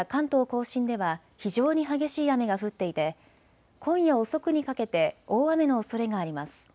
甲信では非常に激しい雨が降っていて今夜遅くにかけて大雨のおそれがあります。